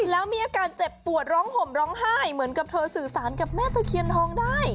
แล้วมีอาการเจ็บปวดร้องห่มร้องไห้เหมือนกับเธอสื่อสารกับแม่ตะเคียนทองได้